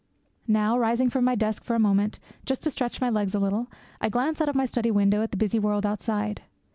Now, rising from my desk for a moment, just to stretch my legs a little, I glance out of my study window at the busy world outside.